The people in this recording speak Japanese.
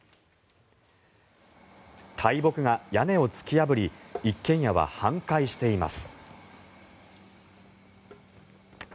大木が屋根を突き破り一軒家は半壊しています。